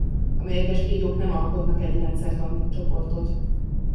A mérges kígyók nem alkotnak egy rendszertani csoportot.